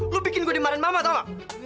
lu bikin gue dimarin mama tau gak